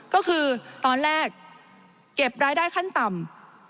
ก็คือตอนแรกเก็บรายได้ขั้นต่ำ